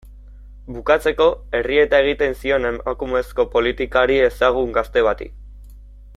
Bukatzeko, errieta egiten zion emakumezko politikari ezagun gazte bati.